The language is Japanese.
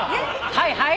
はいはい。